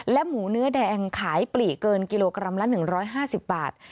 หมูเนื้อแดงขายปลีกเกินกิโลกรัมละ๑๕๐บาท